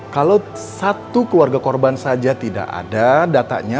kalau satu keluarga korban saja tidak ada datanya